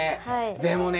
でもね